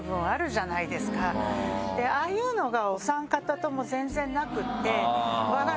ああいうのが。